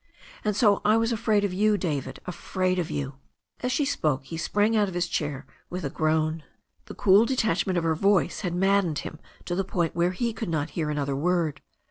And so I was afraid of you, David, afraid of you " As she spoke he sprang out of his chair with a groan. THE STORY OF A NEW ZEALAND RIVER 339 The cool detachment of her voice had maddened him to the point where he could not hear another word.